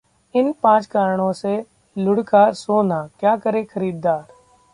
इन पांच कारणों से लुढ़का सोना, क्या करें खरीदार